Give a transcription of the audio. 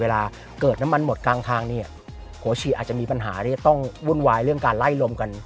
เวลาเกิดน้ำมันหมดกลางทางเนี่ยหัวฉี่อาจจะมีปัญหาที่จะต้องวุ่นวายเรื่องการไล่ลมกัน